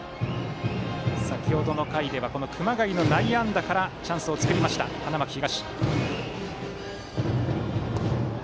先程の回はこの熊谷の内野安打からチャンスを作った花巻東。